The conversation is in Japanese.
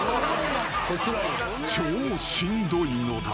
［超しんどいのだ］